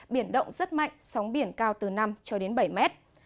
biển động rất mạnh sóng biển cao từ năm cho đến bảy mét